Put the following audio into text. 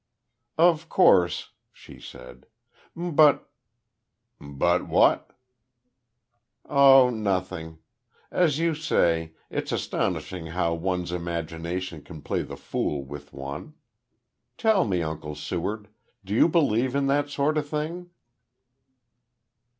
"Of course," she said. "But " "But what?" "Oh, nothing. As you say, it's astonishing how one's imagination can play the fool with one. Tell me, Uncle Seward, do you believe in that sort of thing?"